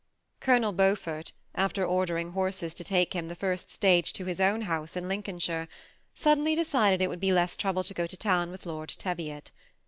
Colonel Beaufort, after ordering horses to take him the first stage to his own house in Lincohishire, suddenly decided it would be less trouble to go to town with Lord Teviot.